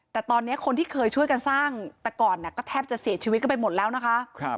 แต่ตอนนี้คนที่เคยช่วยกันสร้างแต่ก่อนก็แทบจะเสียชีวิตกันไปหมดแล้วนะคะ